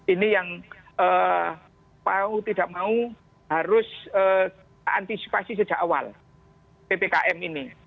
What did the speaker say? ini yang mau tidak mau harus antisipasi sejak awal ppkm ini